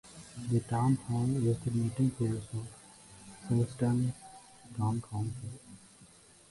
The town hall is the meeting place of Silsden Town Council.